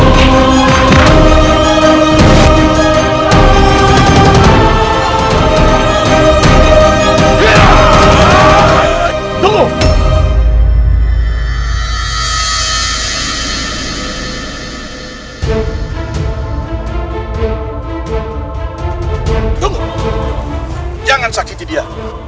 jangan sakiti dia